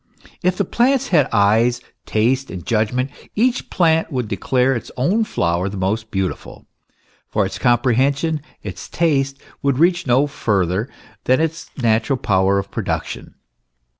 If the plants had eyes, taste and judgment, each plant would declare its own flower the most beautiful; for its comprehension, its taste, would reach no farther than its natural power of production.